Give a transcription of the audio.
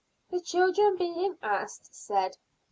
The children being asked said, "Tituba."